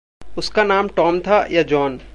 उसका नाम टॉम था या जॉन?